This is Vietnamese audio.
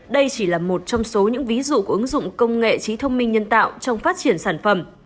đây chỉ là một trong số những ví dụ của ứng dụng công nghệ trí thông minh nhân tạo trong phát triển sản phẩm